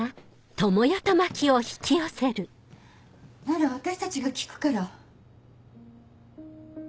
なら私たちが聞くから。